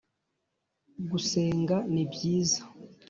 Gusenga nibyiza